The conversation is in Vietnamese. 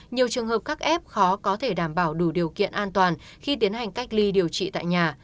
nhiều trường hợp các f khó có thể đảm bảo đủ điều kiện an toàn khi tiến hành cách ly điều trị tại nhà